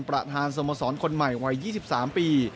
ประธานสโมสรคนใหม่วัย๒๓ปี